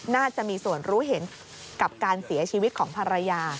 น่าจะมีส่วนรู้เห็นกับการเสียชีวิตของภรรยา